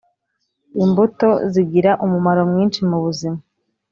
Imbuto zigira umumaro mwinshi mu buzima